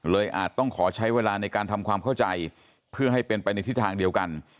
อาจต้องขอใช้เวลาในการทำความเข้าใจเพื่อให้เป็นไปในทิศทางเดียวกัน